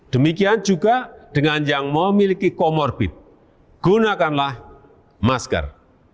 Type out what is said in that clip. demikian juga dengan yang memiliki comorbid gunakanlah masker